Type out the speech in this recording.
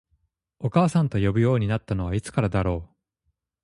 お母さんと呼ぶようになったのはいつからだろう？